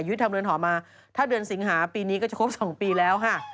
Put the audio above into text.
ทำเรือนหอมาถ้าเดือนสิงหาปีนี้ก็จะครบ๒ปีแล้วค่ะ